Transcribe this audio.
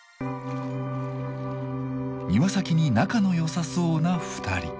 庭先に仲のよさそうな２人。